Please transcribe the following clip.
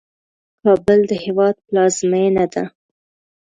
کابل د هیواد پلازمینه ده